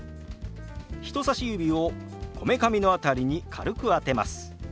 人さし指をこめかみの辺りに軽く当てます。